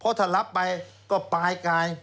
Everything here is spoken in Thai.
เพราะถ้ารับไปก็ปลายกาย